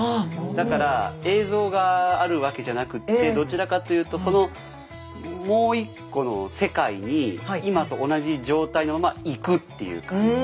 だから映像があるわけじゃなくってどちらかというとそのもう一個の世界に今と同じ状態のまま行くっていう感じ。